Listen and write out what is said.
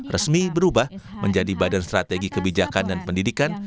resmi berubah menjadi badan strategi kebijakan dan pendidikan